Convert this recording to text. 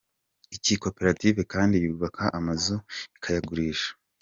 Iyi koperative kandi yubaka amazu ikayagurisha.